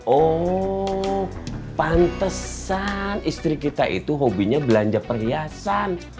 oh pantesan istri kita itu hobinya belanja perhiasan